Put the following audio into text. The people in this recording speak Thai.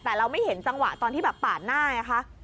แต่เราไม่เห็นจังหวะตอนที่แบบปาดหน้าไงคะ